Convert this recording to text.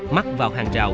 mắc vào hàng trào